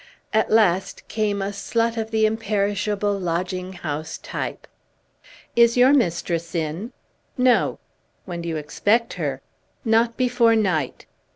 At last came a slut of the imperishable lodging house type. "Is your mistress in?" "No." "When do you expect her?" "Not before night."